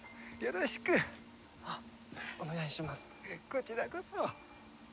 こちらこそ。